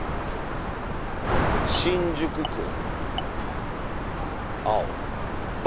新宿区青。